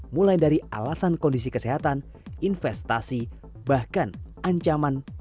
mulai dari alasan kondisi kesehatan investasi bahkan ancaman penyakit